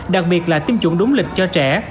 đặc biệt là tiêm chủng đúng lịch cho trẻ